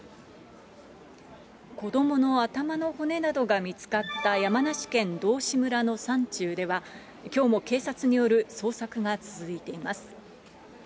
子どもの頭の骨などが見つかった山梨県道志村の山中では、きょうも警察による捜索が続いています。